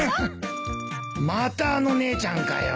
またあの姉ちゃんかよ。